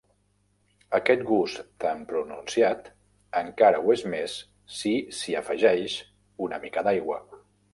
Aquest gust tan pronunciat encara ho és més si s'hi afegeix una mica d'aigua.